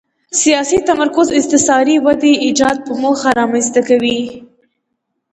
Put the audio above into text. سیاسي تمرکز استثاري ودې ایجاد په موخه رامنځته کوي.